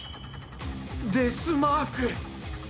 デス・マーク！